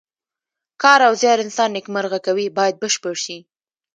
کار او زیار انسان نیکمرغه کوي باید بشپړ شي.